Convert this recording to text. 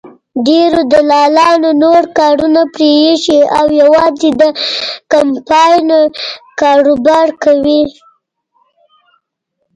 ډېرو دلالانو نور کارونه پرېښي او یوازې د کمپاین کاروبار کوي.